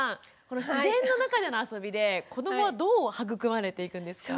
この自然の中でのあそびで子どもはどう育まれていくんですか？